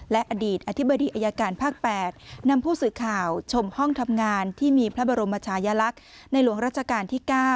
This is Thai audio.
และอดีตอธิบดีอายการภาค๘นำผู้สื่อข่าวชมห้องทำงานที่มีพระบรมชายลักษณ์ในหลวงราชการที่๙